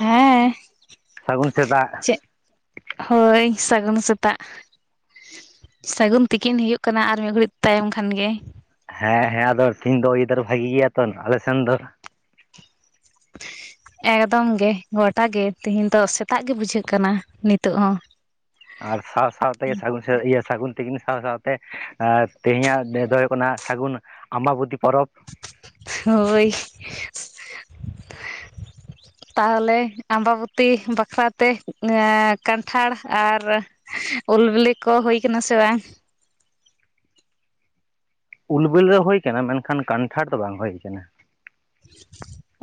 ᱦᱮᱸ ᱥᱟᱹᱜᱩᱱ ᱥᱮᱛᱟᱜ ᱪᱮᱫ ᱦᱚᱭ ᱥᱟᱹᱜᱩᱱ ᱥᱮᱛᱟᱜ ᱾ ᱥᱟᱹᱜᱩᱱ ᱛᱤᱠᱤᱱ ᱦᱩᱭᱩᱜ ᱠᱟᱱᱟ ᱟᱨ ᱢᱤᱫ ᱜᱷᱟᱹᱲᱤᱡ ᱛᱟᱭᱚᱢ ᱠᱷᱟᱱ ᱜᱮ᱾ ᱦᱮᱸ ᱦᱮᱸ ᱟᱫᱚ ᱛᱮᱦᱮᱧ ᱫᱚ ᱚᱭᱫᱟᱹᱨ ᱵᱷᱟᱜᱤ ᱜᱮᱭᱟ ᱛᱚ ᱟᱞᱮ ᱥᱮᱱ ᱫᱚ ᱾ ᱮᱠᱫᱚᱢ ᱜᱮ ᱜᱚᱴᱟ ᱜᱮ ᱛᱤᱦᱤᱧ ᱫᱚ ᱥᱮᱛᱟᱜ ᱜᱮ ᱵᱩᱡᱷᱟᱹᱜ ᱠᱟᱱᱟ ᱱᱤᱛᱚᱜ ᱦᱚᱸ ᱾ ᱟᱨ ᱥᱟᱶ ᱥᱟᱶ ᱛᱮ ᱥᱟᱹᱜᱩ ᱤᱭᱟᱹ ᱥᱟᱹᱜᱩᱱ ᱛᱤᱠᱤᱱ ᱥᱟᱶ ᱥᱟᱶ ᱛᱮ ᱛᱮᱦᱮᱧᱼᱟᱜ ᱱᱮᱸᱫᱷᱟᱹ ᱫᱚ ᱦᱩᱭᱩᱜ ᱠᱟᱱᱟ ᱥᱟᱹᱜᱩᱱ ᱟᱢᱵᱟᱵᱚᱛᱤ ᱯᱚᱨᱚᱵᱽ ᱾ ᱦᱚᱭ ᱾ ᱛᱟᱦᱚᱞᱮ ᱟᱢᱵᱟ ᱵᱚᱛᱤ ᱵᱟᱠᱷᱨᱟ ᱛᱮ ᱠᱟᱱᱴᱷᱟᱲ ᱟᱨ ᱩᱞ ᱵᱤᱞᱤ ᱠᱚ ᱦᱩᱭ ᱠᱟᱱᱟ ᱥᱮ ᱵᱟᱝ? ᱩᱞ ᱵᱮᱞᱤ ᱫᱚ ᱦᱩᱭ ᱟᱠᱟᱱᱟ, ᱢᱮᱱᱠᱷᱟᱱ ᱠᱟᱱᱴᱷᱟᱲ ᱫᱚ ᱵᱟᱝ ᱦᱩᱭ ᱟᱠᱟᱱᱟ ᱾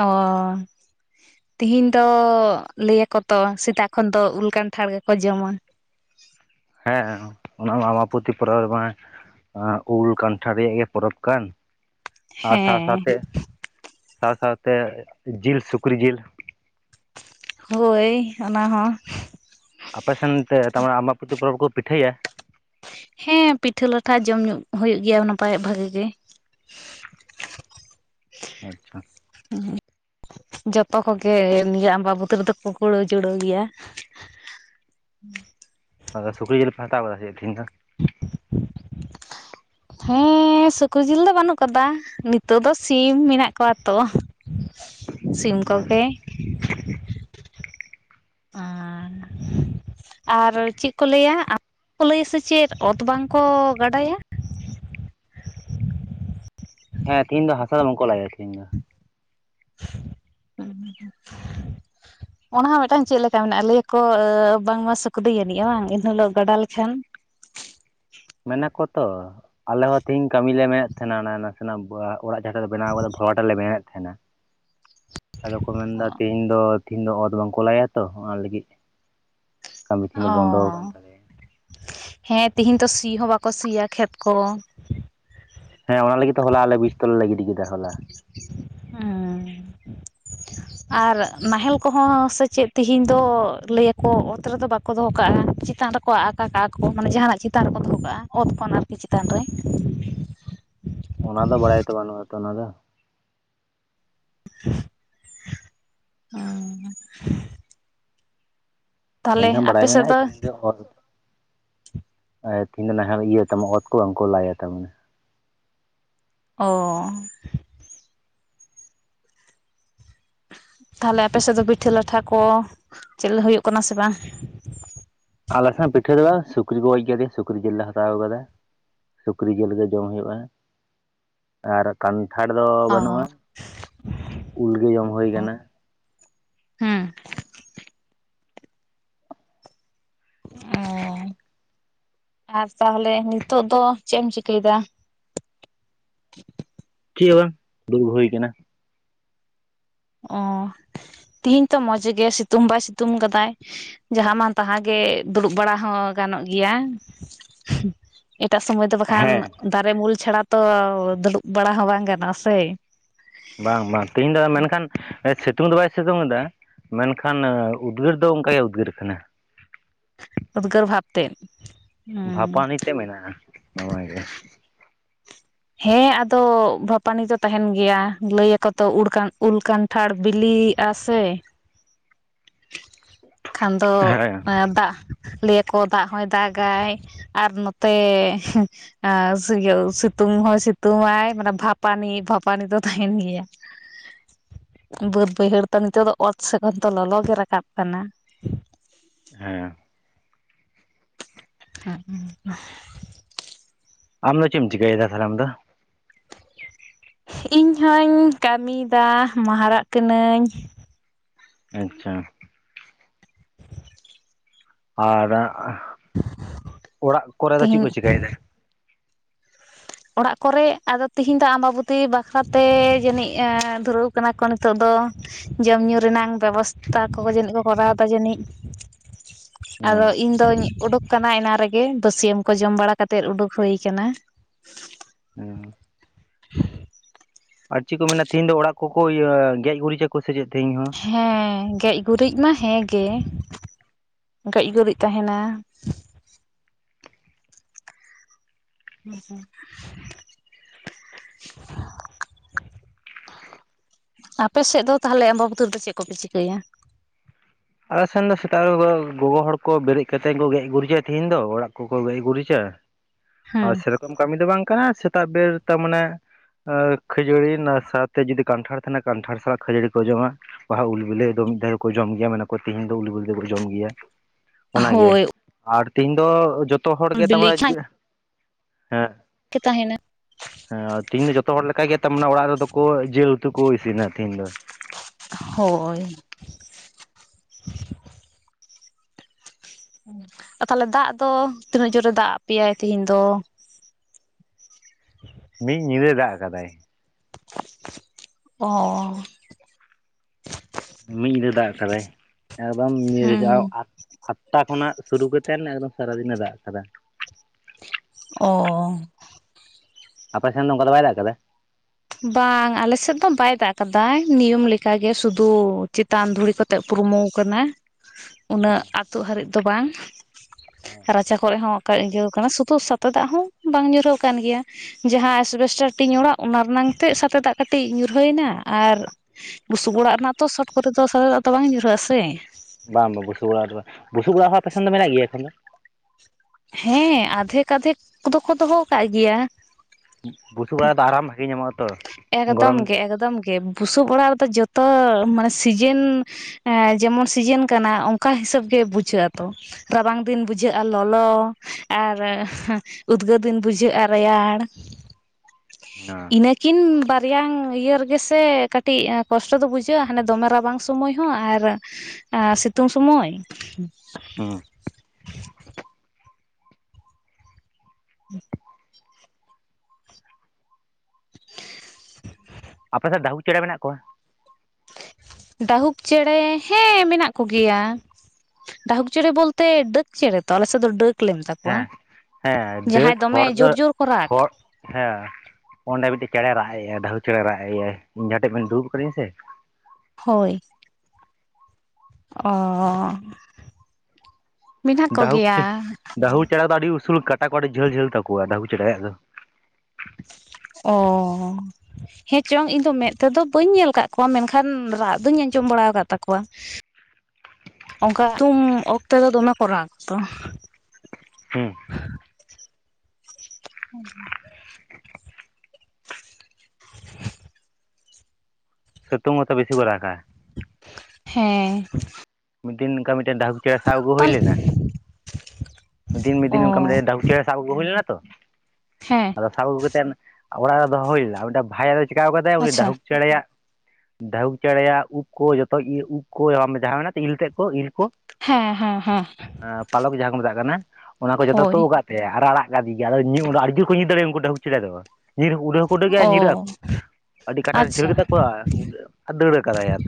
ᱚᱸᱻ ᱛᱤᱦᱤᱧ ᱫᱚ ᱞᱟᱹᱭ ᱟᱠᱚ ᱛᱚ ᱥᱮᱛᱟᱜ ᱠᱷᱚᱱ ᱫᱚ ᱩᱞ ᱠᱟᱱᱴᱷᱟᱲ ᱜᱮᱠᱚ ᱡᱚᱢᱟ ᱾ ᱦᱮᱸ ᱚᱱᱟ ᱢᱟ ᱟᱢᱵᱟᱯᱚᱛᱛᱤ ᱯᱚᱨᱟᱣ ᱵᱟᱝ ᱩᱞ ᱠᱟᱱᱴᱷᱟᱲ ᱨᱮᱭᱟᱜ ᱜᱮ ᱯᱚᱨᱚᱵᱽ ᱠᱟᱱ ᱾ ᱟᱨ ᱥᱟᱶ ᱦᱮᱸ ᱥᱟᱶᱛᱮ ᱥᱟᱶ ᱥᱟᱶᱛᱮ ᱡᱤᱞ ᱥᱩᱠᱨᱤ ᱡᱤᱞ ᱾ ᱦᱚᱭ ᱚᱱᱟ ᱦᱚᱸ ᱾ ᱟᱯᱮ ᱥᱮᱱ ᱛᱮ ᱛᱟᱢᱟ ᱱᱮ ᱟᱢᱵᱟᱵᱚᱛᱤ ᱯᱚᱨᱚᱵᱽ ᱨᱮᱠᱚ ᱯᱤᱴᱷᱟᱹᱭᱟ? ᱦᱮᱸ ᱯᱤᱴᱷᱟᱹ ᱞᱟᱴᱷᱟ ᱡᱚᱢ ᱧᱩ ᱦᱩᱭᱩᱜ ᱜᱮᱭᱟ ᱱᱟᱯᱟᱭ ᱵᱷᱟᱜᱤ ᱜᱮ ᱾ [unintelligible] ᱟᱪᱪᱷᱟ [unintelligible] ᱡᱚᱛᱚ ᱠᱚᱜᱮ ᱱᱤᱭᱟᱹ ᱟᱢᱵᱟᱵᱚᱛᱤ ᱨᱮᱫᱚ ᱠᱚ ᱠᱩᱲᱟᱹ ᱡᱩᱲᱟᱹᱣ ᱜᱮᱭᱟ ᱾ [unintelligible] ᱟᱫᱚ ᱥᱩᱠᱨᱤ ᱡᱤᱞ ᱯᱮ ᱦᱟᱛᱟᱶ ᱠᱟᱫᱟ ᱥᱮᱪᱮ ᱛᱮᱦᱤᱧ ᱫᱚ? ᱦᱮᱸᱻ ᱥᱩᱠᱨᱤ ᱡᱤᱞ ᱫᱚ ᱵᱟᱹᱱᱩᱜ ᱟᱠᱟᱫᱟ ᱾ ᱱᱤᱛᱚ ᱫᱚ ᱥᱤᱢ ᱢᱮᱱᱟᱜ ᱠᱚᱣᱟ ᱛᱚ ᱾ ᱥᱤᱢ ᱠᱚᱜᱮ ᱾ ᱟᱨ [unintelligible] ᱟᱨ ᱪᱮᱫ ᱠᱚ ᱞᱟᱹᱭᱟ [unintelligible] ᱠᱚ ᱞᱟᱹᱭᱟ ᱥᱮ ᱪᱮᱫ ᱚᱛ ᱵᱟᱝᱠᱚ ᱜᱟᱰᱟᱭᱟ? ᱦᱮᱸ ᱛᱮᱦᱤᱧ ᱫᱚ ᱦᱟᱥᱟ ᱫᱚ ᱵᱟᱠᱚ ᱞᱟᱭᱟ ᱛᱮᱦᱧ ᱫᱚ ᱾ [unintelligible] ᱚᱱᱟ ᱦᱚᱸ ᱢᱤᱫᱴᱟᱝ ᱪᱮᱫ ᱞᱮᱠᱟ ᱢᱮᱱᱟᱜᱼᱟ, ᱞᱟᱹᱭᱟᱠᱚ ᱵᱟᱝᱢᱟ ᱥᱩᱠᱨᱤ ᱟᱹᱱᱤᱡᱼᱟ? ᱵᱟᱝ ᱮᱱ ᱦᱤᱞᱚᱜ ᱜᱟᱰᱟ ᱞᱮᱠᱷᱟᱱ ᱾ ᱢᱮᱱᱟ ᱠᱚᱛᱚ ᱾ ᱟᱞᱮ ᱦᱚᱸ ᱛᱮᱦᱤᱧ ᱠᱟᱹᱢᱤ ᱞᱮ ᱢᱮᱱᱮᱫ ᱛᱟᱦᱮᱱᱟ ᱾ ᱚᱱᱮᱼ ᱱᱟᱥᱮᱱᱟᱜ ᱚᱲᱟᱜ ᱡᱟᱦᱟᱸ ᱴᱷᱮᱡ ᱞᱮ ᱵᱮᱱᱟᱣ ᱟᱠᱟᱫᱟ ᱵᱷᱚᱨᱟᱴ ᱟᱞᱮ ᱵᱮᱱᱟᱣᱮᱫ ᱛᱟᱦᱮᱱᱟ ᱾ [inaudible] ᱟᱫᱚ ᱠᱚ ᱢᱮᱱᱫᱟ ᱛᱮᱦᱤᱧ ᱫᱚ ᱛᱮᱤᱦᱤᱧ ᱫᱚ ᱚᱛ ᱵᱟᱝ ᱠᱚ ᱞᱟᱭᱟ ᱾ ᱛᱚ ᱚᱱᱟ ᱞᱟᱹᱜᱤᱫ ᱠᱟᱹᱢᱤ ᱛᱤᱦᱤᱧ ᱚᱻ ᱫᱚ ᱵᱚᱱᱫᱚ ᱟᱠᱟᱱ ᱛᱟᱞᱮᱭᱟ ᱦᱮᱸ ᱛᱤᱦᱤᱧ ᱛᱚ ᱥᱤ ᱦᱚᱸ ᱵᱟᱠᱚ ᱥᱤᱭᱟ ᱠᱷᱮᱛ ᱠᱚ ᱾ ᱦᱮᱸ ᱚᱱᱟ ᱞᱟᱹᱜᱤᱫ ᱛᱮ ᱦᱚᱞᱟ ᱟᱞᱮ ᱵᱤᱡᱛᱚᱞᱟ ᱞᱮ ᱜᱤᱰᱤ ᱠᱮᱫᱟ ᱦᱚᱞᱟ᱾ ᱦᱮᱸ ᱟᱨ ᱱᱟᱦᱮᱞ ᱠᱚᱦᱚᱸ ᱥᱮ ᱪᱮᱫ ᱛᱮᱦᱤᱧ ᱫᱚ ᱞᱟᱹᱭ ᱟᱠᱚ ᱚᱛ ᱨᱮᱫᱚ ᱵᱟᱠᱚ ᱫᱚᱦᱚ ᱠᱟᱜ-ᱟ ᱪᱮᱛᱟᱱ ᱨᱮᱼᱼ ᱠᱚ ᱟᱠᱟ ᱠᱟᱜ ᱠᱚ ᱢᱟᱱᱮ ᱡᱟᱦᱟᱱᱟᱜ ᱪᱮᱛᱟᱱ ᱨᱮᱠᱚ ᱫᱚᱦᱚ ᱠᱟᱜ-ᱟ ᱚᱛ ᱠᱷᱚᱱ ᱟᱨᱠᱤ ᱪᱮᱛᱟᱱ ᱨᱮ᱾ ᱚᱱᱟ ᱫᱚ ᱵᱟᱲᱟᱭ ᱛᱚ ᱵᱟᱹᱱᱩᱜ-ᱟ ᱛᱚ ᱚᱱᱟ ᱫᱚᱼᱼ ᱚᱸᱻ ᱢᱮᱱᱠᱷᱟᱱ ᱵᱟᱲᱟᱭ ᱢᱮᱱᱟᱜ-ᱟ ᱛᱮᱦᱮᱧ ᱫᱚ ᱚᱛᱼᱼ ᱮᱸ ᱛᱮᱤᱧ ᱫᱚ ᱱᱟᱦᱮᱞ ᱤᱭᱟᱹ ᱛᱚᱢᱮ ᱚᱛ ᱠᱳ ᱵᱟᱝ ᱠᱳ ᱞᱟᱭᱟ ᱛᱟ ᱢᱟᱱᱮ᱾ ᱚᱻ ᱛᱟᱦᱚᱞᱮ ᱟᱯᱮ ᱥᱮᱫ ᱫᱚ ᱯᱤᱴᱷᱟᱹ ᱞᱟᱴᱷᱟ ᱠᱚ ᱪᱮᱫ ᱦᱩᱭᱩᱜ ᱠᱟᱱᱟ ᱥᱮ ᱵᱟᱝ? ᱟᱞᱮᱴᱷᱮᱱ ᱯᱤᱴᱷᱟᱹ ᱫᱚ ᱵᱟᱝ ᱥᱩᱠᱨᱤ ᱠᱚ ᱜᱚᱡ ᱠᱮᱫᱮᱭᱟ ᱥᱩᱠᱨᱤ ᱡᱤᱞ ᱞᱮ ᱦᱟᱛᱟᱣ ᱟᱠᱟᱫ᱾ ᱥᱩᱠᱨᱤ ᱡᱤᱞ ᱜᱮ ᱡᱚᱢ ᱦᱩᱭᱩᱜ-ᱟ᱾ ᱟᱨ ᱠᱟᱱᱴᱷᱟᱲ ᱫᱚ ᱚ ᱵᱟᱹᱱᱩᱜ-ᱟ ᱩᱞ ᱜᱮ ᱡᱚᱢ ᱦᱳᱭ ᱠᱟᱱᱟ᱾ ᱦᱮᱸ ᱚ ᱟᱨ ᱛᱟᱦᱚᱞᱮ ᱱᱤᱛᱚᱜ ᱫᱚ ᱪᱮᱫ ᱮᱢ ᱪᱤᱠᱟᱹᱭᱮᱫᱟ? ᱪᱮᱜ ᱦᱚ ᱵᱟᱝ ᱫᱩᱲᱩᱵ ᱦᱩᱭ ᱠᱟᱱᱟ᱾ ᱚ ᱛᱮᱦᱤᱧ ᱛᱚ ᱢᱚᱸᱡᱽ ᱜᱮ ᱥᱤᱛᱩᱢ ᱵᱟᱭ ᱥᱤᱛᱩᱢ ᱠᱟᱫᱟᱭ᱾ ᱡᱟᱦᱟᱸ ᱢᱟᱱ ᱛᱟᱦᱟᱸ ᱜᱮ ᱫᱩᱲᱩᱵ ᱵᱟᱲᱟ ᱦᱚᱸ ᱜᱟᱱᱚᱜ ᱜᱮᱭᱟ᱾ ᱮᱴᱟᱜ ᱥᱚᱢᱚᱭ ᱫᱚ ᱵᱟᱠᱷᱟᱱ ᱦᱮᱸ ᱫᱟᱨᱮ ᱩᱢᱩᱞ ᱪᱷᱟᱲᱟ ᱛᱚ ᱫᱩᱲᱩᱵ ᱵᱟᱲᱟ ᱦᱚᱸ ᱵᱟᱝ ᱜᱟᱱᱚᱜ-ᱟ ᱥᱮ᱾ ᱵᱟᱝ ᱵᱟᱝ ᱛᱮᱦᱤᱧ ᱫᱚ ᱢᱮᱱᱠᱷᱟᱱ, ᱥᱤᱛᱩᱝ ᱫᱚ ᱵᱟᱭ ᱥᱤᱛᱩᱝ ᱮᱫᱟ ᱢᱮᱱᱠᱷᱟᱱ ᱩᱫᱽᱜᱟᱹᱨ ᱫᱚ ᱚᱱᱠᱟᱜᱮ ᱩᱫᱽᱜᱟᱹᱨ ᱠᱟᱱᱟ᱾ ᱩᱫᱽᱜᱟᱹᱨ ᱵᱷᱟᱵ ᱛᱮᱼᱼ ᱵᱷᱟᱯᱟᱱᱤ ᱛᱮᱜ ᱢᱮᱱᱟᱜ-ᱟ᱾ ᱱᱚᱣᱟ ᱜᱮᱼᱼ ᱦᱮᱸ ᱟᱫᱚ ᱵᱷᱟᱯᱟᱱᱤ ᱫᱚ ᱛᱟᱦᱮᱸᱱ ᱜᱮᱭᱟ ᱞᱟᱹᱭ ᱟᱠᱚ ᱛᱚ ᱩᱲ ᱠᱟᱱ ᱩᱞ ᱠᱟᱱᱼᱼ ᱴᱷᱟᱲ ᱵᱤᱞᱤᱜ ᱟ-ᱥᱮᱼᱼ ᱠᱷᱟᱱ ᱫᱚ ᱦᱮᱸ ᱫᱟᱜ ᱞᱟᱹᱭᱟᱠᱚ ᱫᱟᱜ ᱦᱚᱸᱭ ᱫᱟᱜᱟᱭ᱾ ᱟᱨ ᱱᱚᱛᱮᱻ ᱟᱨ [unintelligible] ᱥᱤᱛᱩᱝ ᱦᱚᱸᱭ ᱥᱤᱛᱩᱝ ᱟᱭ ᱢᱟᱱᱮ ᱵᱷᱟᱯᱟᱱᱤ ᱵᱷᱟᱯᱟᱱᱤ ᱫᱚ ᱛᱟᱦᱮᱸᱱ ᱜᱮᱭᱟ᱾ ᱵᱟᱹᱫᱽ ᱵᱟᱹᱭᱦᱟᱹᱲ ᱫᱚ ᱱᱤᱛᱳᱜ ᱫᱚ ᱚᱛ ᱥᱮᱫ ᱛᱚ ᱞᱚᱞᱚ ᱜᱮ ᱨᱟᱠᱟᱵ ᱠᱟᱱᱟ᱾ ᱦᱮᱸ ᱦᱮᱸᱜ ᱮ [inaudible] ᱟᱢ ᱫᱚ ᱪᱮᱜ ᱮᱢ ᱪᱤᱠᱟᱹᱭᱮᱫᱟ ᱛᱟᱦᱞᱮ ᱟᱢ ᱫᱚ? ᱤᱧ ᱦᱚᱸᱧ ᱠᱟᱹᱢᱤᱭᱮᱫᱟ ᱢᱟᱦᱟᱨᱟᱜ ᱠᱟᱱᱟᱹᱧ᱾ ᱟᱪᱪᱷᱟᱼᱼ ᱟᱫᱟᱜ ᱚᱲᱚᱜ ᱠᱚᱨᱮ ᱫᱚ ᱪᱮᱫ ᱛᱤᱦᱤᱧ ᱠᱚ ᱪᱤᱠᱟᱹᱭᱮᱫᱟ? ᱚᱲᱟᱜ ᱠᱚᱨᱮᱜ ᱟᱫᱚ ᱛᱤᱦᱤᱧ ᱫᱚ ᱟᱢᱵᱟᱵᱚᱛᱤ ᱵᱟᱠᱷᱨᱟᱛᱮ ᱡᱟᱹᱱᱤᱡ ᱫᱷᱩᱨᱟᱹᱣ ᱠᱟᱱᱟ ᱠᱚ ᱱᱤᱛᱚᱜ-ᱫᱚ᱾ ᱡᱚᱢ ᱧᱩ ᱨᱮᱱᱟᱝ ᱵᱮᱵᱚᱥᱛᱟ ᱠᱚ ᱠᱚ ᱡᱟᱹᱱᱤᱡ ᱠᱚ ᱠᱚᱨᱟᱣᱮᱫᱟ ᱡᱟᱹᱱᱤᱡ᱾ ᱟᱫᱚ ᱦᱮᱸ ᱤᱧ ᱫᱚᱧ ᱩᱰᱩᱠ ᱠᱟᱱᱟ ᱮᱱᱟᱝ ᱨᱮᱜᱮ ᱵᱟᱹᱥᱤᱭᱟᱹᱢ ᱠᱚ ᱡᱚᱢ ᱵᱟᱲᱟ ᱠᱟᱛᱮᱫ ᱩᱰᱩᱜ ᱦᱩᱭ ᱠᱟᱱᱟ᱾ ᱦᱩᱸ [inaudible] ᱟᱨ ᱪᱤᱜ ᱠᱚ ᱢᱮᱱᱟ ᱛᱮᱦᱤᱧ ᱫᱚ ᱚᱲᱟᱜ ᱠᱚᱠᱚ ᱤᱭᱟᱹ ᱜᱮᱡ ᱜᱩᱨᱤᱡᱟᱠᱚ ᱥᱮ ᱪᱮᱫ ᱛᱮᱦᱮᱧ ᱦᱚᱸ ᱦᱮᱸ ᱜᱮᱡ ᱜᱩᱨᱤᱡᱽ ᱢᱟ ᱦᱮᱸ ᱜᱮ ᱜᱮᱡ ᱜᱩᱨᱤᱡ ᱛᱟᱦᱮᱸᱱᱟ᱾ [unintelligible] ᱟᱯᱮᱥᱮᱫ ᱫᱚ ᱛᱟᱦᱚᱞᱮ ᱟᱢᱵᱟᱵᱩᱛᱤ ᱨᱮᱫᱚ ᱪᱮᱫ ᱠᱚᱯᱮ ᱪᱤᱠᱟᱹᱭᱟ? ᱟᱞ ᱥᱮᱱ ᱫᱚ ᱥᱮᱛᱟᱜ ᱨᱮ ᱜᱚᱜᱚ ᱦᱚᱲ ᱠᱚ ᱵᱮᱨᱮᱫ ᱠᱟᱛᱮ ᱠᱚ ᱜᱮᱡ ᱜᱩᱨᱤᱡᱟ ᱛᱤᱦᱤᱧ ᱫᱚ ᱚᱲᱟᱜ ᱠᱚᱠᱚ ᱜᱮᱡ ᱜᱩᱨᱤᱡᱟ᱾ ᱟᱨ ᱦᱮᱸ ᱥᱮᱨᱚᱠᱚᱢ ᱠᱟᱹᱢᱤ ᱫᱚ ᱵᱟᱝ ᱠᱟᱱᱟ ᱥᱮᱛᱟᱜ ᱵᱮᱨ ᱛᱟ ᱢᱟᱱᱮᱼᱼ ᱠᱷᱟᱹᱡᱟᱹᱲᱤ ᱱᱟ ᱥᱟᱸᱣᱛᱮ ᱡᱩᱫᱤ ᱠᱟᱱᱴᱷᱟᱲ ᱛᱟᱦᱮᱱᱟ ᱠᱟᱱᱴᱷᱟᱲ ᱥᱟᱞᱟᱜ ᱠᱷᱟᱹᱡᱟᱹᱲᱤ ᱠᱚ ᱡᱚᱢᱟ᱾ ᱵᱟᱦᱟ ᱩᱞ ᱵᱤᱞᱤ ᱟᱫᱚᱢ ᱛᱮᱦᱚᱸ ᱠᱚ ᱡᱚᱢ ᱜᱮᱭᱟ ᱢᱮᱱᱟᱠᱚ᱾ ᱠᱚ ᱛᱤᱦᱤᱧ ᱫᱚ ᱩᱞ ᱵᱩᱞᱤ ᱫᱚ ᱵᱚ ᱡᱚᱢ ᱜᱮᱭᱟ ᱚᱱᱟᱜᱮ ᱦᱳᱭ ᱟᱨ ᱛᱤᱦᱤᱧ ᱫᱚ ᱡᱚᱛ ᱛᱚ ᱦᱚᱲ ᱩᱞ ᱜᱮ ᱵᱤᱞᱤ ᱛᱟᱨᱢᱟᱱᱮ ᱡᱮ ᱦᱮᱸ ᱠᱮᱛᱟᱦᱮᱱᱟ᱾ ᱦᱮᱸ ᱛᱮᱦᱮᱧ ᱫᱚ ᱡᱚᱛᱚ ᱦᱚᱲ ᱞᱮᱠᱟ ᱜᱮ ᱛᱟ ᱢᱟᱱᱮ ᱚᱲᱟᱜ ᱨᱮᱫᱚ ᱠᱚ ᱡᱤᱞ ᱩᱛᱩ ᱠᱚ ᱤᱥᱤᱱᱟ ᱛᱮᱤᱦᱤᱧ ᱫᱚ᱾ ᱦᱳᱭ ᱟ ᱛᱟᱦᱞᱮ ᱫᱟᱜ ᱫᱚ ᱛᱤᱱᱟᱹᱜ ᱡᱳᱨᱮ ᱫᱟᱜᱽᱼᱟᱜ ᱯᱮᱭᱟᱭ ᱛᱤᱦᱤᱧ ᱫᱚ? ᱢᱤᱫ ᱧᱤᱫᱟᱹ ᱫᱟᱜ ᱠᱟᱫᱟᱭ ᱚ ᱢᱤᱫ ᱧᱤᱫᱟᱹ ᱫᱟᱜ ᱠᱟᱫᱟᱭ, ᱮᱠᱫᱚᱢ ᱱᱤᱭᱟᱹ ᱦᱩᱸ ᱡᱟᱣ ᱟᱫ ᱟᱴᱴᱟ ᱠᱷᱚᱱᱟᱜ ᱥᱩᱨᱩ ᱠᱟᱛᱮᱱ ᱮᱠᱫᱚᱢ ᱥᱟᱨᱟ ᱫᱤᱱᱮ ᱫᱟᱜ ᱟᱠᱟᱫᱟ᱾ ᱚ ᱟᱯᱮᱥᱮᱱ ᱫᱚ ᱚᱝᱠᱟ ᱫᱚ ᱵᱟᱭ ᱫᱟᱜ ᱠᱟᱫᱟ? ᱵᱟᱝ ᱟᱞᱮ ᱥᱮᱫ ᱫᱚ ᱵᱟᱭ ᱫᱟᱜ ᱠᱟᱫᱟ ᱱᱤᱭᱚᱢ ᱞᱮᱠᱟ ᱜᱮ ᱥᱩᱫᱩ ᱪᱮᱛᱟᱱ ᱫᱷᱩᱲᱤ ᱠᱚ ᱛᱮᱜ ᱯᱩᱨᱢᱩᱣ ᱠᱟᱱᱟ, ᱩᱱᱟᱹᱜ ᱟᱹᱛᱩᱜ ᱦᱟᱹᱨᱤᱡ ᱫᱚ ᱵᱟᱝ᱾ ᱦᱚ ᱾ ᱨᱟᱪᱟ ᱠᱚᱨᱮᱜ ᱦᱚᱸ ᱠᱟᱹᱪ ᱤᱭᱟᱹ ᱠᱟᱱᱟ ᱥᱩᱫᱩ ᱥᱟᱛᱮ ᱫᱟᱜ ᱦᱚᱸ ᱵᱟᱝ ᱧᱩᱨᱦᱟᱹᱣ ᱠᱟᱱ ᱜᱮᱭᱟ᱾ ᱡᱟᱦᱟᱸ ᱮᱥᱵᱮᱥᱴᱟᱨ ᱴᱤᱧ ᱚᱲᱟᱜ ᱚᱱᱟ ᱨᱮᱱᱟᱝ ᱛᱮᱜ ᱥᱟᱛᱮ ᱫᱟᱜ ᱠᱟᱹᱴᱤᱡ ᱧᱩᱨᱦᱟᱹᱭᱮᱱᱟ ᱟᱨ ᱵᱩᱥᱩᱵ ᱚᱲᱟᱜ ᱨᱮᱱᱟᱜ ᱛᱚ ᱥᱚᱴ ᱠᱚᱨᱮ ᱫᱚ ᱥᱟᱛᱮ ᱫᱟᱜ ᱫᱚ ᱵᱟᱝ ᱧᱩᱨᱦᱟᱹᱜᱼᱟ ᱥᱮ᱾ ᱵᱟᱝ ᱵᱟᱝ ᱵᱩᱥᱩᱵ ᱚᱲᱟᱜ ᱨᱮ ᱫᱚ ᱵᱟᱝ ᱵᱩᱥᱩᱵ ᱚᱲᱟᱜ ᱦᱚᱸ ᱟᱯᱮᱥᱮᱱ ᱫᱚ ᱢᱮᱱᱟᱜ ᱜᱮᱭᱟ ᱮᱠᱷᱚᱱ ᱫᱚ, ᱦᱮᱸ ᱟᱫᱷᱮᱠ ᱟᱫᱷᱮᱠ ᱠᱚ ᱫᱚᱠᱚ ᱫᱚᱦᱚ ᱠᱟᱜ ᱜᱮᱭᱟ᱾ ᱵᱩᱥᱩᱵ ᱚᱲᱟᱜ ᱫᱚ ᱟᱨᱟᱢ ᱵᱷᱟᱜᱤ ᱧᱟᱢᱚᱜᱼᱟ ᱛᱚ᱾ ᱮᱠᱫᱚᱢ ᱜᱚᱨᱚᱢ ᱜᱮ ᱫᱤᱱ ᱮᱠᱫᱚᱢ ᱜᱮ ᱵᱩᱥᱩᱵ ᱚᱲᱟᱜ ᱨᱮᱫᱚ ᱡᱚᱛᱚ ᱢᱟᱱᱮ ᱥᱤᱡᱮᱱ, ᱮ ᱡᱮᱢᱚᱱ ᱥᱤᱡᱮᱱ ᱠᱟᱱᱟ ᱚᱱᱠᱟ ᱦᱤᱥᱟᱹᱵ ᱜᱮ ᱵᱩᱡᱷᱟᱹᱜᱼᱟ ᱛᱚ᱾ ᱨᱟᱵᱟᱝ ᱫᱤᱱ ᱵᱩᱡᱷᱟᱹᱜᱼᱟ ᱞᱚᱞᱚ ᱟᱨ, ᱩᱫᱽᱜᱟᱹᱨ ᱫᱤᱱ ᱵᱩᱡᱷᱟᱹᱜᱼᱟ ᱨᱮᱭᱟᱲ ᱦᱩᱸ ᱤᱱᱟᱹ ᱠᱤᱱ ᱵᱟᱨᱭᱟᱝ ᱤᱭᱟᱹ ᱨᱮᱜᱮ ᱥᱮ ᱠᱟᱹᱴᱤᱡ ᱠᱚᱥᱴᱚ ᱫᱚ ᱵᱩᱡᱷᱟᱹᱜᱼᱟ ᱦᱟᱱᱮ ᱫᱚᱢᱮ ᱨᱟᱵᱟᱝ ᱥᱚᱢᱚᱭ ᱦᱚᱸ ᱟᱨ ᱟᱻᱻ ᱥᱤᱛᱩᱝ ᱥᱚᱢᱚᱭ, ᱦᱩᱸ, [inaudible] ᱟᱯᱮ ᱥᱮᱫ ᱰᱟᱸᱦᱩ ᱪᱮᱸᱬᱮ ᱢᱮᱱᱟᱜ ᱠᱚᱣᱟ? ᱰᱟᱹᱦᱩᱠ ᱪᱮᱬᱮ ᱦᱮᱸ ᱢᱮᱱᱟᱜ ᱠᱚᱜᱮᱭᱟ ᱾ ᱰᱟᱹᱦᱩᱠ ᱪᱮᱸᱬᱮ ᱵᱚᱞᱛᱮ ᱰᱟᱹᱠ ᱪᱮᱸᱬᱮ ᱛᱚ ᱟᱞᱮᱥᱮᱫ ᱫᱚ ᱰᱟᱹᱠ ᱛᱤ ᱞᱮᱱ ᱛᱟᱠᱚᱣᱟ, ᱦᱮᱸ ᱦᱮᱸ ᱰᱟᱹᱠ ᱡᱟᱦᱟᱸᱭ ᱫᱚᱢᱮ ᱦᱚᱲ ᱫᱚ ᱡᱳᱨ ᱡᱳᱨ ᱠᱚ ᱨᱟᱜᱽ ᱾ ᱦᱚᱲ ᱦᱮᱸ ᱚᱸᱰᱮ ᱢᱤᱫᱴᱮᱡ ᱪᱮᱬᱮᱭ ᱨᱟᱜ ᱮᱟᱭ ᱫᱟᱹᱦᱩ ᱪᱮᱬᱮᱭ ᱨᱟᱜ ᱮᱟᱭ ᱤᱧ ᱡᱟᱦᱟᱸ ᱴᱷᱮᱱ ᱵᱮᱱ ᱫᱩᱲᱩᱵ ᱠᱟᱹᱫᱤᱧ ᱥᱮ ᱦᱳᱭ ᱚ ᱢᱮᱱᱟᱜ ᱫᱟᱹᱦᱩᱠ ᱠᱚᱜᱮᱭᱟ ᱫᱟᱹᱦᱩᱠ ᱪᱮᱬᱮ ᱫᱚ ᱟᱹᱰᱤ ᱩᱥᱩᱞ ᱠᱟᱴᱟ ᱠᱚᱣᱟ ᱟᱹᱰᱤ ᱡᱷᱟᱹᱞ ᱡᱷᱟᱹᱞ ᱛᱟᱠᱚᱣᱟ ᱵᱩᱡ ᱠᱮᱫᱟᱢ ᱚ ᱦᱮᱸ ᱪᱚᱝ ᱤᱧ ᱫᱚ ᱢᱮᱸᱫ ᱛᱮᱫᱚ ᱵᱟᱹᱧ ᱧᱮᱞ ᱟᱠᱟᱫ ᱠᱚᱣᱟ ᱢᱮᱱᱠᱷᱟᱱ ᱨᱟᱜ ᱫᱩᱧ ᱟᱸᱡᱚᱢ ᱵᱟᱲᱟ ᱟᱠᱟᱫ ᱛᱟᱠᱚᱣᱟ᱾ ᱚᱱᱠᱟ ᱛᱝ ᱚᱠᱛᱮ ᱫᱚ ᱫᱚᱢᱮ ᱠᱚ ᱨᱟᱜ ᱠᱚᱛᱚ [unintelligible] ᱟ [inaudible] [inaudible] ᱥᱤᱛᱩᱝ ᱦᱟᱛᱚ ᱵᱮᱥᱤ ᱠᱚ ᱭᱟ᱾ ᱦᱮᱸᱻ ᱢᱤᱫ ᱫᱤᱱ ᱚᱱᱠᱟ ᱢᱤᱫᱴᱮᱱ ᱰᱟᱹᱦᱩ ᱪᱮᱬᱮ ᱥᱟᱵ ᱟᱹᱜᱩ ᱦᱩᱭ ᱛᱟᱦᱚᱞᱮ ᱞᱮᱱᱟ ᱢᱤᱫ ᱫᱤᱱ ᱢᱤᱫ ᱚ ᱫᱤᱱ ᱚᱱᱠᱟ ᱢᱤᱫᱴᱮᱱ ᱰᱟᱹᱦᱩ ᱪᱮᱬᱮ ᱥᱟᱵ ᱟᱜᱩ ᱦᱩᱭ ᱞᱮᱱᱟ ᱛᱚ, ᱦᱮᱸ, ᱟᱫᱚ ᱥᱟᱵ ᱟᱹᱜᱩ ᱠᱟᱛᱮᱫ ᱚᱲᱟᱜ ᱨᱮ ᱫᱚᱦᱚ ᱦᱩᱭᱱᱟ ᱢᱤᱫᱴᱟᱝ ᱵᱷᱟᱭᱟ ᱫᱚ ᱪᱮᱠᱟᱣ ᱠᱟᱫᱟᱭ ᱩᱱᱤ ᱟᱪᱪᱷᱟ ᱰᱟᱹᱦᱩᱠ ᱪᱮᱬᱮᱭᱟᱜ ᱰᱟᱹᱦᱩᱠ ᱪᱮᱬᱮᱭᱟᱜ ᱩᱵ ᱠᱚ ᱡᱚᱛᱚ ᱤᱭᱟᱹ ᱩᱵ ᱠᱚ ᱡᱟᱦᱟᱸ ᱢᱮᱱᱟᱜ ᱛᱟᱭᱟ ᱤᱞ ᱛᱮᱫ ᱠᱚ ᱤᱞ ᱠᱚ ᱦᱮᱸ ᱦᱮᱸ ᱦᱮᱸ ᱯᱟᱞᱚᱠ ᱡᱟᱦᱟᱸ ᱠᱚ ᱢᱮᱛᱟᱜ ᱠᱟᱱᱟ ᱚᱱᱟ ᱠᱚ ᱡᱚᱛᱚ ᱦᱳᱭ ᱛᱚ [unintelligible] ᱠᱟᱜᱼᱼ ᱦᱮᱸ ᱟᱨ ᱟᱲᱟᱜ ᱜᱟᱫᱤ ᱜᱮ ᱟᱫᱚ ᱧᱩ ᱟᱹᱰᱤ ᱡᱳᱨ ᱠᱚ ᱧᱩᱨ ᱫᱟᱲᱮᱭᱟᱜ-ᱟ ᱩᱱᱠᱩ ᱰᱟᱹᱦᱩᱠ ᱪᱬᱬᱮ ᱫᱚ᱾ ᱩᱰᱟᱹᱣ ᱦᱚᱸᱠᱚ ᱩᱰᱟᱹᱜ ᱜᱮᱭᱟ ᱚ ᱧᱤᱨᱟᱹᱜ ᱟᱠᱚ ᱟᱹᱰᱤ ᱠᱟᱴᱟ ᱡᱷᱟᱹᱞ ᱟᱪᱪᱷᱟ ᱜᱮ ᱛᱟᱠᱚᱣᱟ [unintelligible] ᱫᱟᱹᱲ ᱠᱟᱫᱟᱭ ᱟᱫᱚ᱾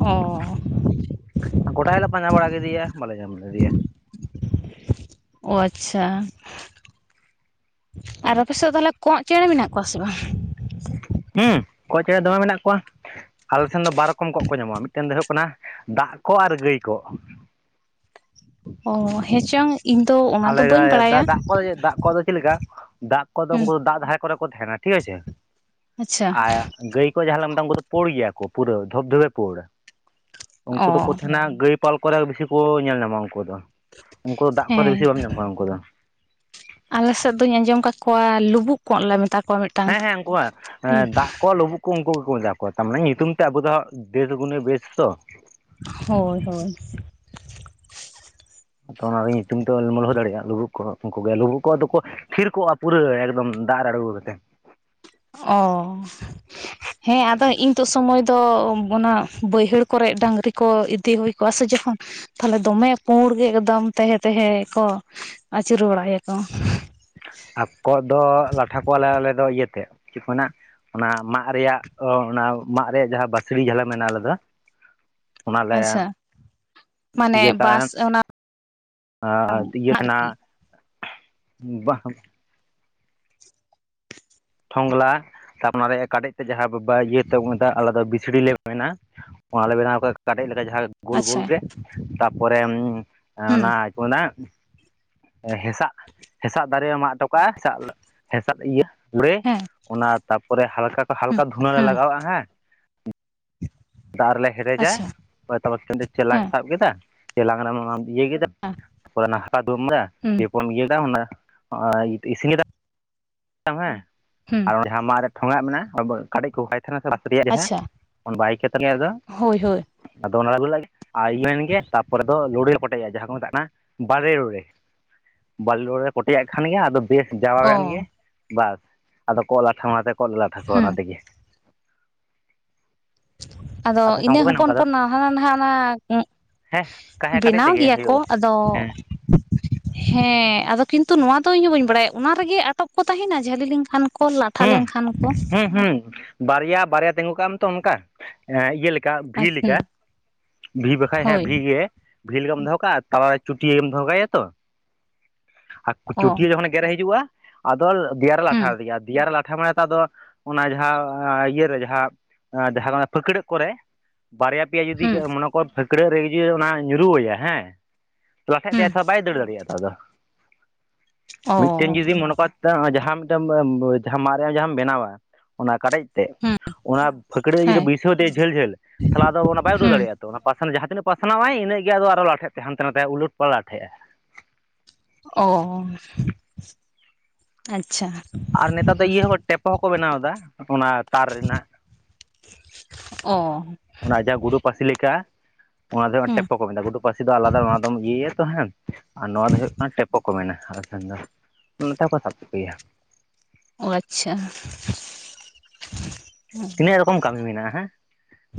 ᱚᱻ ᱜᱚᱴᱟ ᱜᱮᱞᱮ ᱯᱟᱸᱡᱟ ᱵᱟᱲᱟ ᱠᱮᱫᱮᱭᱟ ᱵᱟᱞᱮ ᱧᱟᱢ ᱞᱮᱫᱮᱭᱟ᱾ ᱚ ᱟᱪᱷᱟ ᱟᱨ ᱟᱯᱮ ᱥᱮᱫ ᱛᱟᱦᱚᱞᱮ ᱠᱚᱸᱜ ᱪᱮᱬᱮ ᱢᱮᱱᱟᱜ ᱠᱚᱣᱟ ᱥᱮ ᱵᱟᱝ ᱦᱮᱸ ᱠᱚᱸᱜ ᱪᱮᱬᱮ ᱫᱚᱢᱮ ᱢᱮᱱᱟᱜ ᱠᱚᱣᱟ ᱟᱞᱮ ᱥᱮᱱ ᱫᱚ ᱵᱟᱨ ᱨᱚᱠᱚᱢ ᱠᱚᱸᱜ ᱠᱚ ᱧᱟᱢᱚᱜᱼᱟ ᱢᱤᱫᱴᱮᱱ ᱫᱚ ᱦᱩᱭᱩᱜ ᱠᱟᱱᱟ ᱫᱟᱜ ᱠᱚ ᱟᱨ ᱜᱟᱹᱭ ᱠᱚᱸᱜ ᱚ ᱦᱮᱸᱪᱚᱝ ᱤᱧ ᱫᱚ ᱚᱱᱟ ᱫᱚ ᱵᱟᱹᱧ ᱵᱟᱲᱟᱭᱟ᱾ ᱱᱚᱦᱚᱭ ᱡᱮ ᱫᱟᱜ ᱠᱚᱸᱜ ᱫᱚ ᱪᱮᱫ ᱞᱮᱠᱟ ᱫᱟᱜ ᱠᱚᱫᱚ ᱦᱩᱸ ᱩᱱᱠᱩ ᱫᱟᱜ ᱫᱷᱟᱨᱮ ᱠᱚᱨᱮ ᱠᱚ ᱛᱟᱦᱮᱱᱟ ᱴᱷᱤᱠ ᱟᱪᱷᱮ ᱟᱪᱪᱷᱟ ᱟᱨ ᱜᱟᱹᱭ ᱠᱚᱜ ᱡᱟᱦᱟᱸ ᱞᱮ ᱢᱮᱛᱟ ᱩᱱᱠᱩ ᱫᱚ ᱯᱩᱲ ᱜᱮᱭᱟ ᱠᱚ ᱯᱩᱨᱟᱹ ᱫᱷᱩᱯᱼᱫᱷᱩᱯᱮ ᱯᱩᱲ ᱩᱱᱠᱩ ᱚ ᱫᱚᱠᱚ ᱛᱟᱦᱮᱱᱟ ᱜᱟᱹᱭ ᱯᱟᱞ ᱠᱚᱨᱮ ᱵᱤᱥᱤ ᱠᱚ ᱧᱮᱞ ᱧᱟᱢᱚᱜᱼᱟ ᱩᱱᱠᱩ ᱫᱚ ᱩᱱᱠᱩ ᱫᱚ ᱫᱟᱜ ᱚᱠᱟᱨᱮ ᱦᱮᱸ ᱵᱤᱥᱤ ᱵᱟᱢ ᱧᱟᱢ ᱠᱚᱣᱟ ᱩᱱᱠᱩ ᱫᱚ ᱟᱞᱮ ᱥᱮᱫ ᱫᱚᱧ ᱟᱸᱡᱚᱢ ᱠᱟᱫ ᱠᱚᱣᱟ ᱞᱩᱵᱩᱜ ᱠᱚᱸᱜ ᱞᱮ ᱢᱮᱛᱟ ᱠᱚᱣᱟ ᱢᱤ ᱦᱮᱸᱻᱦᱮᱸᱻ ᱩᱱᱠᱩᱣᱟᱜ ᱫᱟᱜ ᱠᱚ ᱞᱩᱵᱩᱜ ᱠᱩ ᱩᱱᱠᱩ ᱜᱮᱠᱚ ᱢᱮᱛᱟ ᱠᱚᱣᱟ ᱛᱟ ᱢᱟᱱᱮ ᱧᱩᱛᱩᱢ ᱛᱮ ᱟᱵᱚ ᱫᱚ ᱫᱮᱥ ᱜᱩᱱᱮ ᱵᱮᱥ ᱛᱚ ᱦᱳᱭ ᱦᱳᱭ ᱾ ᱟᱫᱚ ᱚᱱᱟ ᱨᱮ ᱧᱩᱛᱩᱢ ᱛᱚ ᱞᱚᱞᱦᱚ ᱫᱟᱲᱮᱭᱟᱜᱼᱟ ᱞᱩᱵᱩᱜ ᱠᱚ ᱩᱱᱠᱩ ᱜᱮ ᱞᱩᱵᱩᱜ ᱠᱚᱜ ᱫᱚᱠᱚ ᱛᱷᱤᱨ ᱠᱚᱜᱼᱟ ᱯᱩᱨᱟᱹ ᱮᱠᱫᱚᱢ ᱫᱟᱜ ᱨᱮ ᱟᱬᱜᱚ ᱠᱟᱛᱮᱫ ᱚ ᱦᱮᱸ ᱟᱫᱚ ᱤᱝ ᱛᱚ ᱥᱚᱢᱚᱭ ᱫᱚ ᱚᱱᱟ ᱵᱟᱹᱭᱦᱟᱹᱲ ᱠᱚᱨᱮ ᱰᱟᱹᱝᱨᱤ ᱠᱚ ᱤᱫᱤ ᱦᱩᱭ ᱠᱚᱜᱼᱟ ᱥᱮ ᱡᱚᱠᱷᱚᱱ ᱛᱟᱦᱞᱮ ᱫᱚᱢᱮ ᱯᱩᱸᱲ ᱜᱮ ᱮᱠᱫᱚᱢ ᱛᱟᱦᱮᱸᱼᱛᱟᱦᱮᱸ ᱠᱚ ᱟᱹᱪᱩᱨ ᱵᱟᱲᱟᱭᱟᱠᱚ ᱟᱨ ᱠᱚᱸᱜ ᱫᱚ ᱞᱟᱴᱷᱟ ᱠᱚᱣᱟᱞᱮ ᱟᱞᱮ ᱫᱚ ᱤᱭᱟᱹᱛᱮ ᱪᱮᱫ ᱠᱚ ᱢᱮᱱᱟᱜ ᱚᱱᱟ ᱢᱟᱫ ᱨᱮᱭᱟᱜ ᱚ ᱚᱱᱟ ᱢᱟᱫ ᱨᱮᱭᱟᱜ ᱡᱟᱦᱟᱸ ᱵᱟᱹᱥᱲᱤ ᱡᱷᱟᱞᱟ ᱢᱮᱱᱟᱜᱼᱟ ᱟᱞᱮ ᱫᱚ ᱟᱪᱪᱷᱟ ᱚᱱᱟᱞᱮ ᱢᱟᱱᱮ ᱤᱭᱟᱹ ᱠᱟᱜᱼᱟ᱾ ᱵᱟᱥ ᱚᱱᱟ ᱟ ᱤᱭᱟᱹ ᱟᱨᱠᱤ ᱛᱮᱱᱟᱜ ᱵᱟᱝ ᱴᱷᱚᱝᱞᱟ ᱛᱟᱯ ᱚᱱᱟ ᱨᱮ ᱠᱟᱴᱮᱡ ᱛᱮ ᱡᱟᱦᱟᱸ ᱵᱟᱵᱟ ᱤᱭᱟᱹ ᱛᱟᱜᱽ ᱢᱮ ᱫᱟᱜ ᱟᱞᱮ ᱫᱚ ᱵᱤᱥᱲᱤ ᱞᱮ ᱢᱮᱱᱟ ᱚᱱᱟ ᱞᱮ ᱵᱮᱱᱟᱣ ᱠᱟᱜ ᱠᱟᱰᱮᱡ ᱞᱮᱠᱟ ᱡᱟᱦᱟᱸ ᱜᱳᱞ ᱜᱳᱞ ᱟᱪᱪᱷᱟ ᱜᱮ ᱛᱟᱨᱯᱚᱨᱮ ᱦᱩᱸ ᱚᱱᱟ ᱪᱮᱫ ᱠᱚ ᱢᱮᱱᱟ ᱦᱮᱸᱥᱟᱜᱼᱦᱮᱸᱥᱟᱜ ᱫᱟᱨᱮ ᱢᱟᱜ ᱚᱴᱚ ᱠᱟᱜᱼᱟ ᱦᱮᱸᱥᱟᱜᱼᱦᱮᱸᱥᱟᱜ ᱤᱭᱟᱹ ᱦᱮᱸ [unintelligible] ᱚᱱᱟ ᱛᱟᱯᱚᱨᱮ ᱦᱟᱞᱠᱟ ᱥᱟ ᱦᱩᱸ ᱦᱟᱞᱠᱟ ᱫᱷᱩᱬᱟᱹ ᱞᱮ ᱦᱩᱸ ᱞᱟᱜᱟᱣᱟᱜᱼᱟ ᱦᱮᱸ ᱫᱟᱜ ᱨᱮᱞᱮ ᱦᱮᱰᱮᱡᱟ ᱟᱪᱪᱷᱟ ᱚᱱᱮ ᱛᱟᱢᱟᱠ ᱪᱩᱸᱰᱤ ᱪᱮᱞᱟᱝ ᱦᱮᱸ ᱥᱟᱵ ᱠᱮᱫᱟ ᱪᱮᱞᱟᱝ ᱨᱮᱢᱟᱢ ᱤᱭᱟᱹ ᱠᱮᱫᱟᱢ ᱚᱱᱟ [unintelligible] ᱦᱩᱸ ᱤᱭᱟᱹ ᱠᱚᱢ ᱤᱭᱟ ᱫᱟ ᱚᱱᱟ ᱟᱭ ᱤᱥᱤᱭ ᱫᱟ [unintelligible] ᱦᱮᱸ ᱦᱮᱸ ᱟᱨ ᱚᱱᱟ ᱡᱟᱦᱟᱸ ᱢᱟᱜ ᱨᱮ ᱴᱷᱚᱸᱜᱟᱜ ᱢᱮᱱᱟᱜᱼᱟ ᱠᱟᱰᱮᱡ ᱠᱚ ᱠᱟᱭ ᱛᱟᱦᱮᱱᱟ ᱥᱮ ᱵᱟ ᱨᱮᱭᱟᱜ ᱡᱟᱦᱟᱸ ᱟᱪᱪᱷᱟ ᱚᱱᱟ ᱵᱟᱭ ᱠᱮᱫ ᱛᱟᱹᱞᱤᱧᱟᱭ ᱟᱫᱚ ᱦᱳᱭ ᱦᱳᱭ ᱟᱫᱚ ᱚᱱᱟ ᱟᱹᱜᱩ ᱞᱟᱡ ᱜᱮ ᱟᱭ ᱞᱮ ᱮᱱ ᱜᱮ ᱛᱟᱨᱯᱚᱨᱮ ᱫᱚ ᱞᱩᱲᱩ ᱠᱚᱴᱮᱴᱮᱡᱟ ᱡᱟᱦᱟᱸ ᱠᱚ ᱢᱮᱛᱟᱜ ᱠᱟᱱᱟ ᱵᱟᱨᱮ ᱨᱚᱲᱮ, ᱵᱟᱞᱮ ᱨᱚᱲᱮ ᱠᱚᱴᱮᱡᱟᱜ ᱠᱷᱟᱱ ᱜᱮ ᱟᱫᱚ ᱵᱮᱥ ᱡᱟᱣᱟᱣ ᱚ ᱮᱱ ᱜᱮ ᱵᱟᱥ ᱟᱫᱚ ᱠᱚᱸᱜ ᱞᱟᱴᱷᱟᱢᱟ ᱟᱛᱮ ᱠᱚᱜ ᱞᱮ ᱞᱟᱴᱷᱟ ᱠᱚᱣᱟ ᱦᱩᱸ ᱚᱱᱟ ᱛᱮᱜᱮ ᱟᱫᱚ ᱟᱯᱮ ᱥᱮᱫ ᱚᱱᱠᱟ ᱤᱱᱟᱹ ᱠᱚ ᱵᱮᱱᱟᱣᱟ ᱦᱚᱯᱚᱱ ᱚᱱᱠᱟ ᱫᱚ ᱦᱚᱯᱚᱱ ᱦᱟᱱᱟ ᱱᱷᱟᱜ ᱦᱮᱸ ᱠᱟᱦᱮᱸ ᱠᱟᱰᱮᱡ ᱵᱮᱱᱟᱣ ᱛᱮᱜᱮ ᱜᱮᱭᱟ ᱠᱚ ᱦᱩᱭᱩᱜᱼᱟ ᱟᱫᱚ ᱦᱮᱸ ᱦᱮᱸ ᱟᱫᱚ ᱠᱤᱱᱛᱩ ᱱᱚᱣᱟ ᱫᱚ ᱤᱧ ᱦᱚᱸ ᱵᱟᱹᱧ ᱵᱟᱲᱟᱭᱟ ᱚᱱᱟ ᱨᱮᱜᱮ ᱟᱴᱚᱠ ᱠᱚ ᱛᱟᱦᱮᱱᱟ ᱡᱷᱟᱹᱞᱤ ᱞᱮᱱᱠᱷᱟᱱ ᱠᱚ ᱞᱟᱴᱷᱟ ᱦᱮᱸ ᱞᱮᱱᱠᱷᱟᱱ ᱠᱚ ᱦᱮᱸ ᱦᱩᱸ ᱵᱟᱨᱭᱟ ᱵᱟᱨᱭᱟ ᱛᱤᱸᱜᱩ ᱠᱟᱜ ᱢᱮᱛᱚ ᱚᱱᱠᱟ ᱮ ᱤᱭᱟᱹ ᱞᱮᱠᱟ ᱟ ᱵᱷᱤ ᱞᱮᱠᱟ ᱦᱩᱸ ᱵᱷᱤ ᱵᱟᱠᱷᱟᱡ ᱦᱮᱸ ᱦᱳᱭ ᱵᱷᱤ ᱜᱮ ᱵᱷᱤ ᱞᱮᱠᱟᱢ ᱫᱚᱦᱚ ᱠᱟᱜᱼᱟ ᱛᱟᱞᱟᱨᱮ ᱪᱩᱴᱭᱟᱹᱢ ᱫᱚᱦᱚ ᱠᱟᱭᱟ ᱛᱚ ᱟᱨ ᱚ ᱪᱩᱴᱭᱟᱹ ᱡᱚᱠᱷᱚᱱᱮ ᱜᱮᱨᱮ ᱦᱤᱡᱩᱜᱼᱟ᱾ ᱟᱫᱚ ᱫᱮᱭᱟᱨᱮ ᱞᱟᱴᱷᱟ ᱦᱩᱸ ᱟᱫᱮᱜᱮ ᱫᱮᱭᱟ ᱨᱮ ᱞᱟᱴᱷᱟ ᱢᱟᱱᱮ ᱛᱚ ᱟᱫᱚ ᱚᱱᱟ ᱡᱟᱦᱟᱸ ᱤᱭᱟᱹ ᱨᱮ ᱡᱟᱦᱟᱸ ᱡᱟᱦᱟᱸ ᱯᱷᱟᱹᱠᱲᱟᱹᱜ ᱠᱚᱨᱮ ᱵᱟᱨᱭᱟ ᱯᱮᱭᱟ ᱡᱩᱫᱤ ᱦᱩᱸ ᱢᱚᱱᱮ ᱠᱚᱨ ᱯᱷᱟᱹᱠᱲᱟᱹᱜ ᱨᱮ ᱤᱹᱭᱟ ᱚᱱᱟ ᱧᱩᱨᱩᱣ ᱟᱭᱟ ᱦᱮᱸ ᱞᱟᱴᱷᱟᱜ ᱛᱟᱭᱟ ᱦᱩᱸ ᱛᱚ ᱵᱟᱭ ᱫᱟᱹᱲ ᱫᱟᱲᱮᱭᱟᱜᱼᱟ ᱛᱚ ᱟᱫᱚ ᱢᱤᱫᱴᱟᱝ ᱚ ᱡᱩᱫᱤ ᱢᱚᱱᱮ ᱠᱟᱡ ᱫᱟ ᱡᱟᱦᱟᱸ ᱢᱤᱫᱴᱟᱝ ᱡᱟᱦᱟᱸ ᱢᱟᱨᱮᱭᱟᱜ ᱡᱟᱦᱟᱸᱟᱢ ᱵᱮᱱᱟᱣᱟ ᱚᱱᱟ ᱠᱟᱰᱮᱡ ᱛᱮ ᱦᱩᱸ ᱚᱱᱟ ᱯᱷᱟᱹᱠᱲᱟᱹᱜ ᱡᱩᱫᱤ ᱦᱮᱸ ᱵᱟᱹᱭᱥᱟᱹᱣ ᱟᱫᱮᱭᱟ ᱡᱷᱟᱹᱞᱼᱡᱷᱟᱹᱞ ᱛᱟᱦᱮᱞᱮ ᱟᱫᱚ ᱚᱱᱟ ᱵᱟᱭ ᱩᱰᱟᱹᱣ ᱦᱩᱸ ᱫᱟᱲᱮᱭᱟᱜᱼᱟ ᱛᱚ ᱯᱟᱥᱟᱞ ᱡᱟᱦᱟᱸ ᱛᱤᱱᱟᱹᱜ ᱯᱟᱥᱱᱟᱣᱟᱭ ᱤᱱᱟᱹᱜᱮ ᱟᱫᱚ ᱟᱨᱚ ᱞᱟᱴᱷᱟᱜ ᱛᱟᱭᱟ ᱦᱟᱱᱛᱮ ᱱᱟᱛᱮ ᱩᱞᱟᱹᱴ ᱯᱟᱞᱟᱴᱷᱮᱜᱼᱟᱭ ᱚ, ᱟᱪᱪᱷᱟ, ᱟᱨ ᱱᱮᱛᱟᱨ ᱫᱚ ᱤᱭᱟᱹ ᱦᱚ ᱴᱮᱯᱚ ᱦᱚᱸᱠᱚ ᱵᱮᱱᱟᱣ ᱮᱫᱟ ᱚᱱᱟ ᱛᱟᱨ ᱨᱮᱱᱟᱜ᱾ ᱚ, ᱚᱱᱟ ᱡᱟᱦᱟᱸ ᱜᱩᱰᱩ ᱯᱟᱹᱥᱤ ᱞᱮᱠᱟ, ᱚᱱᱟ ᱫᱚ ᱦᱩᱸ ᱴᱮᱯᱚ ᱠᱚ ᱢᱮᱛᱟᱜᱼᱟ, ᱜᱩᱰᱩ ᱯᱟᱹᱥᱤ ᱫᱚ ᱟᱞᱟᱫᱟ ᱚᱱᱟ ᱫᱚᱢ ᱤᱭᱟᱹᱭᱟ ᱛᱚ ᱦᱟᱝ ᱟᱨ ᱱᱚᱣᱟ ᱫᱚ ᱦᱳᱭᱳᱜ ᱠᱟᱱᱟ ᱴᱮᱯᱚ ᱠᱚ ᱢᱮᱱᱟ, ᱟᱞᱮ ᱥᱮᱱ ᱫᱚ ᱱᱛᱮ ᱠᱚ ᱥᱟᱵᱠᱚᱜᱮᱭᱟ᱾ ᱚ ᱟᱪᱪᱷᱟ, ᱛᱤᱱᱟᱹᱜ ᱨᱚᱠᱚᱢ ᱠᱟᱹᱢᱤ ᱢᱮᱱᱟᱜᱼᱟ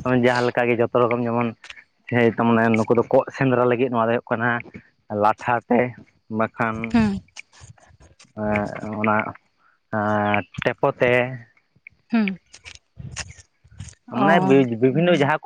ᱦᱮᱸ, ᱡᱟᱦᱟᱸ ᱞᱮᱠᱟᱜᱮ ᱡᱚᱛᱚ ᱨᱚᱠᱚᱢ ᱡᱮᱢᱚᱱ ᱥᱮᱭ ᱛᱚ ᱢᱟᱱᱮ ᱱᱩᱠᱩ ᱫᱚ ᱠᱚᱸᱜ ᱥᱮᱸᱫᱽᱨᱟ ᱞᱟᱹᱜᱤᱫ, ᱱᱚᱣᱟ ᱫᱚ ᱦᱳᱭᱳᱜ ᱠᱟᱱᱟ ᱞᱟᱴᱷᱟ ᱛᱮ ᱵᱟ ᱠᱷᱟᱱ, ᱦᱩᱸ ᱮᱸ ᱚᱱᱟ ᱴᱮᱯᱚ ᱛᱮ ᱦᱮᱸ, ᱢᱟᱱᱮ ᱵᱤᱵᱷᱤᱱᱱᱚ ᱡᱟᱦᱟᱸ ᱠᱚ